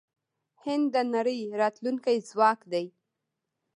هند د نړۍ راتلونکی ځواک دی.